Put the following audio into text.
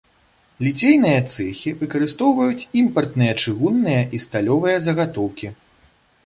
Ліцейныя цэхі выкарыстоўваюць імпартныя чыгунныя і сталёвыя загатоўкі.